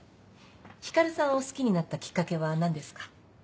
ひかるさんを好きになったきっかけは何ですか？